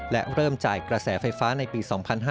และเริ่มจ่ายกระแสไฟฟ้าในปี๒๕๕๙